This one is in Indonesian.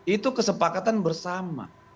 itu kesepakatan bersama